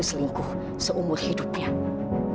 masa pun kamu lagi prohibited